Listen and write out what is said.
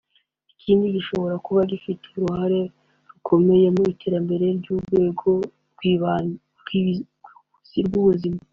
Ikindi gishobora kuba gifite uruhare rukomeye mu iterambere ry’urwego rw’ubuzima